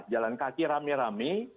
jalan kaki rame rame